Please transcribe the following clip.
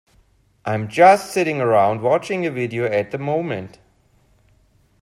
I'm just sitting around watching a video at the moment.